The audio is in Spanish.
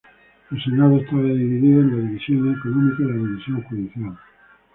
El Senado estaba dividido en la división económica y la división judicial.